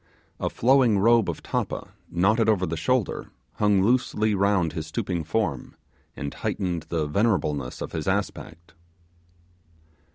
A flowing robe of tappa, knotted over the shoulder, hung loosely round his stooping form, and heightened the venerableness of his aspect.